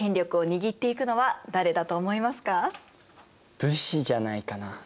武士じゃないかな？